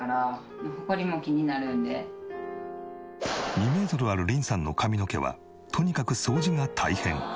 ２メートルあるリンさんの髪の毛はとにかく掃除が大変。